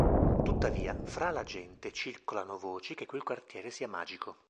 Tuttavia, fra la gente circolano voci che quel quartiere sia magico.